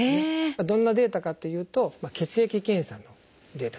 どんなデータかというと血液検査のデータですね。